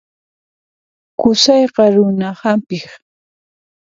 Qusayqa runa hampiq.